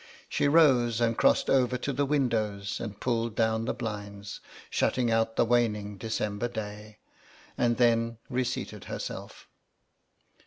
She rose and crossed over to the windows and pulled down the blinds, shutting out the waning December day, and then reseated herself.